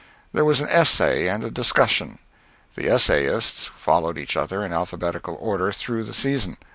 There was an essay and a discussion. The essayists followed each other in alphabetical order through the season.